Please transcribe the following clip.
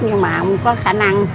nhưng mà không có khả năng